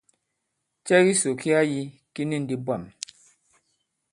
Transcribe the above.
Cɛ kisò ki a yī ki ni ndī bwâm.